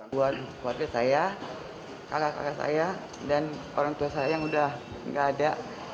buat keluarga saya kakak kakak saya dan orang tua saya yang udah nggak ada